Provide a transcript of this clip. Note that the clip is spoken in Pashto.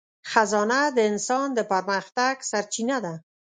خزانه د انسان د پرمختګ سرچینه ده.